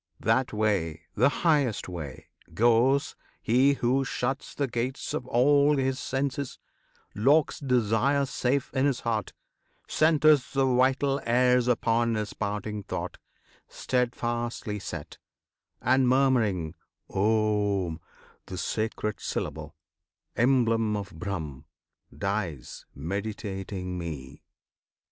That way the highest way goes he who shuts The gates of all his senses, locks desire Safe in his heart, centres the vital airs Upon his parting thought, steadfastly set; And, murmuring OM, the sacred syllable Emblem of BRAHM dies, meditating Me.